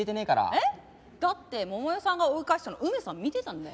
えっ？だって桃代さんが追い返したの梅さん見てたんだよ。